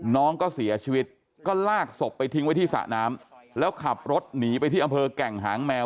น้องก็เสียชีวิตก็ลากศพไปทิ้งไว้ที่สระน้ำแล้วขับรถหนีไปที่อำเภอแก่งหางแมว